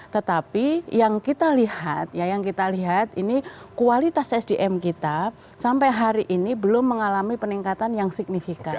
tetapi yang kita lihat ya yang kita lihat ini kualitas sdm kita sampai hari ini belum mengalami peningkatan yang signifikan